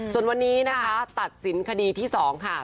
ส่วนวันนี้นะคะตัดสินคดีที่๒ค่ะ